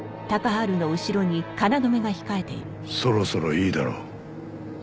そろそろいいだろう。